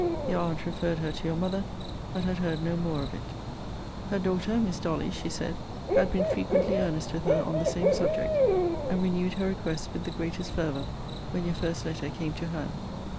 Your aunt referred her to your mother: but had heard no more of it. * The former housekeeper at Harlowe place. 'Her daughter,' (Miss Dolly,) she said, 'had been frequently earnest with her on the same subject; and renewed her request with the greatest fervour when your first letter came to hand.'